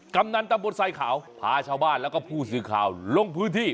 กำนันตำบลทรายขาวพาชาวบ้านแล้วก็ผู้สื่อข่าวลงพื้นที่